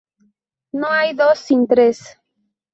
No hay dos sin tres